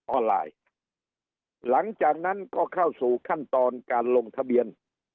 ไลน์หลังจากนั้นก็เข้าสู่ขั้นตอนการลงทะเบียน